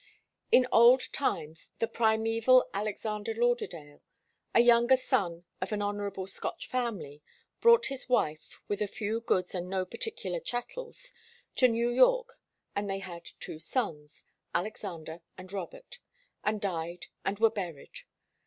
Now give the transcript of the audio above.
In old times the primeval Alexander Lauderdale, a younger son of an honourable Scotch family, brought his wife, with a few goods and no particular chattels, to New York, and they had two sons, Alexander and Robert, and died and were buried.